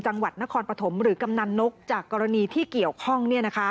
จังหวัดนครปฐมหรือกำนันนกจากกรณีที่เกี่ยวข้อง